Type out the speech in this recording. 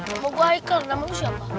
nama gue aikel nama lu siapa